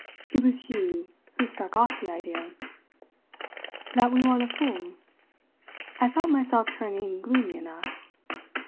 It was you who struck off the idea." "That we want a fool?" I felt myself turning gloomy enough.